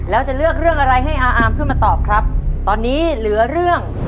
แล้วจะเลือกเรื่องอะไรให้อาอามขึ้นมาตอบครับตอนนี้เหลือเรื่อง